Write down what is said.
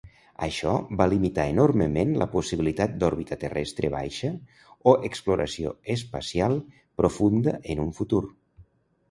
Això va limitar enormement la possibilitat d'òrbita terrestre baixa o exploració espacial profunda en un futur.